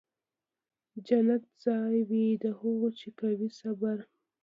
جنت ځای وي د هغو چي کوي صبر